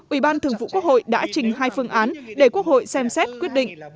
ủy ban thường vụ quốc hội đã trình hai phương án để quốc hội xem xét quyết định